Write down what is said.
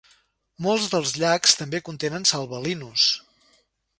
Molts dels llacs també contenen salvelinus.